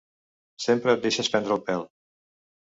Sempre et deixes prendre el pèl.